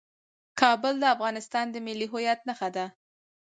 کابل د افغانستان د ملي هویت نښه ده.